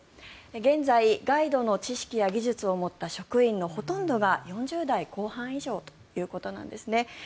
現在、ガイドの知識や技術を持った職員のほとんどが４０代後半以上ということなんですね。